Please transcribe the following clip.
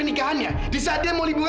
biar kak mila tidur